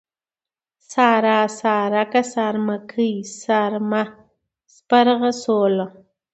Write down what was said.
سارا ، سارکه ، سارمکۍ ، سارمه ، سپرغۍ ، سوله